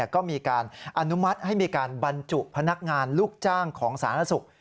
ก็มีการอนุมัติให้มีการบรรจุพนักงานลูกจ้างของสาธารณสุข